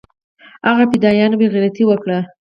هغه فدايانو بې غيرتي اوکړه.